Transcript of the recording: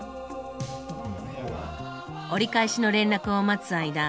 折り返しの連絡を待つ間